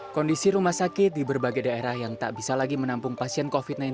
kondisi rumah sakit di berbagai daerah yang tak bisa lagi menampung pasien covid sembilan belas